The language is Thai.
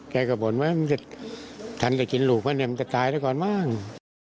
เขาก็บอกว่ามันจะทันจะกินรูปมั้ยเนี่ยมันจะถ่ายซะก่อนบ้าง